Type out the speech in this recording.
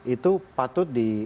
itu patut di